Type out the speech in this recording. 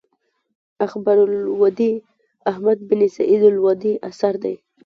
اخبار اللودي احمد بن سعيد الودي اثر دﺉ.